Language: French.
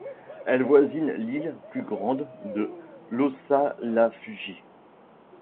Elle voisine l'île plus grande de Lhossalafushi.